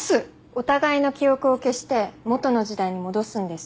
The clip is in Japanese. お互いの記憶を消して元の時代に戻すんです。